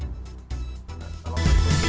terima kasih mas ritwan